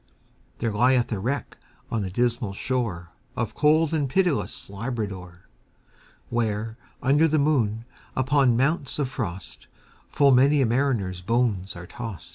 There lieth a wreck on the dismal shoreOf cold and pitiless Labrador; Where, under the moon, upon mounts of frost, Full many a mariner's bones are tost.